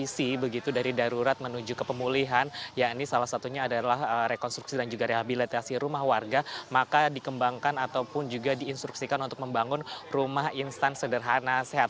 kondisi begitu dari darurat menuju ke pemulihan ya ini salah satunya adalah rekonstruksi dan juga rehabilitasi rumah warga maka dikembangkan ataupun juga diinstruksikan untuk membangun rumah instan sederhana sehat